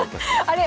あれ？